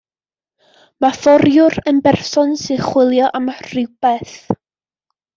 Mae fforiwr yn berson sy'n chwilio am rywbeth.